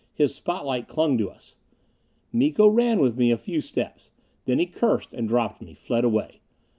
His spotlight clung to us. Miko ran with me a few steps. Then he cursed and dropped me, fled away.